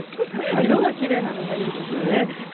色がきれいなのがいいですよね。